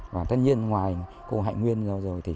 và tất nhiên ngoài cô hạnh nguyên rồi